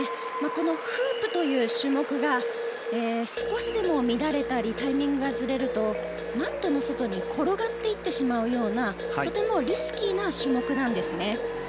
このフープという種目が少しでも乱れたりタイミングがずれるとマットの外に転がっていってしまうようなとてもリスキーな種目なんですね。